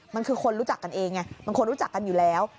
มันคือคนรู้จักกันเองไงมันคนรู้จักกันอยู่แล้ว